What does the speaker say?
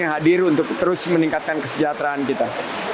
yang hadir untuk terus meningkatkan kesejahteraan kita